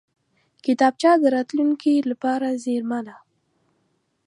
کتابچه د راتلونکې لپاره زېرمه ده